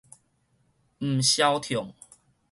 毋消暢